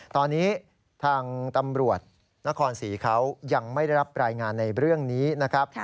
ตอนนี้ทางตำรวจนครศรีเขายังไม่ได้รับรายงานในเรื่องนี้นะครับ